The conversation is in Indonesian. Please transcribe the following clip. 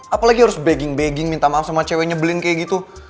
apalagi harus bagging bagging minta maaf sama cewek nyebelin kayak gitu